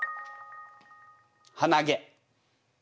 「はなげ」。